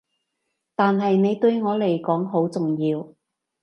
但係你對我嚟講好重要